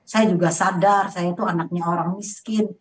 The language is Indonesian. saya juga sadar saya itu anaknya orang miskin